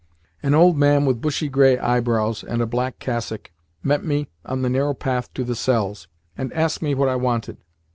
An old man with bushy grey eyebrows and a black cassock met me on the narrow path to the cells, and asked me what I wanted.